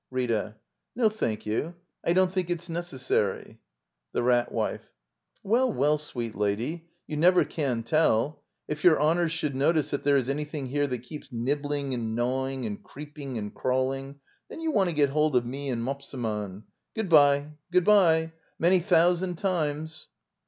Rita. No, thank youj I don't think it's neces sary. The Rat Wife. Well, well, sweet lady — you never can tell. If your honors should notice that there is anything here that keeps nibbling and gnaw ing, and creeping and crawling — then you want to get hold of me and Mopseman. — Good bye, good bye, many thousand times.